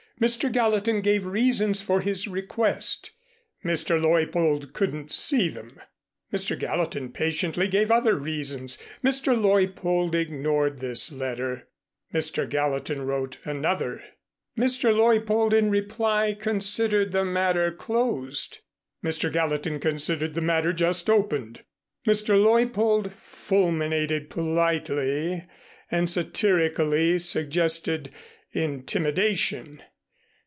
Mr. Gallatin gave reasons for his request. Mr. Leuppold couldn't see them. Mr. Gallatin patiently gave other reasons. Mr. Leuppold ignored this letter. Mr. Gallatin wrote another. Mr. Leuppold in reply considered the matter closed. Mr. Gallatin considered the matter just opened. Mr. Leuppold fulminated politely and satirically suggested intimidation.